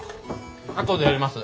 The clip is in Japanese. あとでやります。